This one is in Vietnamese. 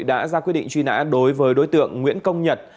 đã ra quyết định truy nã đối với đối tượng nguyễn công nhật